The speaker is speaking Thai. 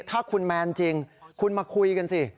ถ้าคุณแมนจริงคุณมาคุยกันสิ